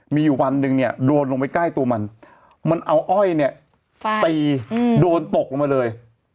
มีอยู่วันหนึ่งเนี่ยโดนลงไปใกล้ตัวมันมันเอาอ้อยเนี่ยตีโดนตกลงมาเลย